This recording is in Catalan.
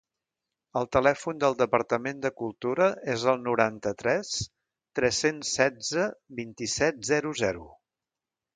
El telèfon del Departament de Cultura és el noranta-tres tres-cents setze vint-i-set zero zero.